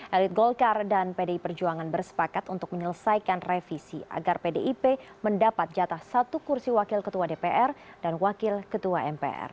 elit golkar dan pdi perjuangan bersepakat untuk menyelesaikan revisi agar pdip mendapat jatah satu kursi wakil ketua dpr dan wakil ketua mpr